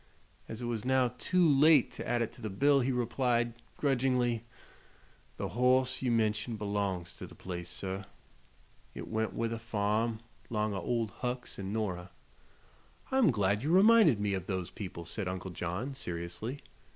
As it was now too late to add it to the bill he replied, grudgingly: "The hoss you mention belongs to the place, sir. It went with the farm, 'long o' Old Hucks an' Nora." "I'm glad you reminded me of those people," said Uncle John, seriously.